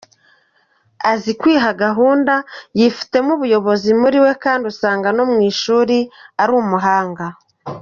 Azi kwiha gahunda, yifitemo ubuyobozi muri we kandi usanga no mu ishuri ari umuhanga.